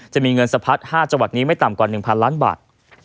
จะมีเงินสะพัด๕จังหวัดนี้ไม่ต่ำกว่า๑๐๐ล้านบาท